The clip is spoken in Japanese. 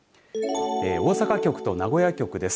大阪局と名古屋局です。